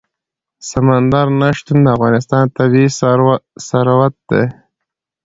سمندر نه شتون د افغانستان طبعي ثروت دی.